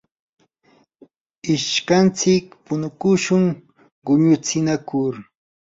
ishkantsik punukushun quñutsinakur.